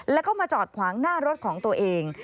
แล้วก็มาจอดขวางหน้ารถของตัวเอง